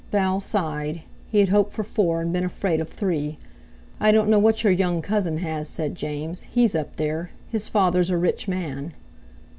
Val sighed. He had hoped for four, and been afraid of three. "I don't know what your young cousin has," said James; "he's up there. His father's a rich man."